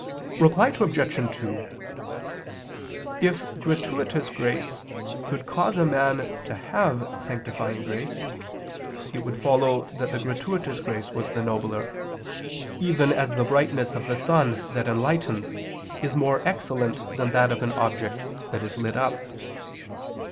Reply Obj. 2: If gratuitous grace could cause a man to have sanctifying grace, it would follow that the gratuitous grace was the nobler; even as the brightness of the sun that enlightens is more excellent than that of an object that is lit up.